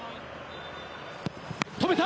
止めた！